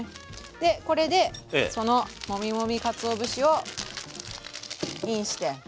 でこれでそのモミモミかつお節をインして。